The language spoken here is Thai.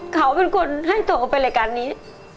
เขาเป็นคนให้ตกเป็นรายการนี้